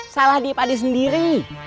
salah dia pada sendiri